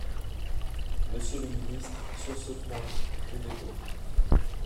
Monsieur le ministre, sur ce point, tenez bon